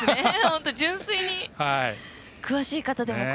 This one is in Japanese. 本当、純粋に詳しい方でも。